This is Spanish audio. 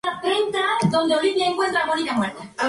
Allí, vivió en el Convento de San Zoilo, como monje benedictino.